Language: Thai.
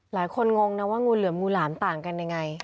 หลายคนงงนะว่างูเหลือมงูหลามต่างกันอย่างไร